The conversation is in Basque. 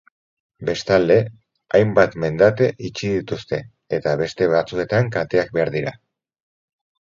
Bestalde, hainbat mendate itxi dituzte, eta beste batzuetan kateak behar dira.